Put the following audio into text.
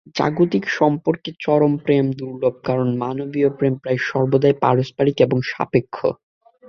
জাগতিক সম্পর্কে চরম প্রেম দুর্লভ, কারণ মানবীয় প্রেম প্রায় সর্বদাই পারস্পরিক এবং সাপেক্ষ।